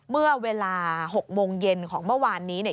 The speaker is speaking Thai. เมื่อเวลา๖โมงเย็นของเมื่อวานนี้เนี่ย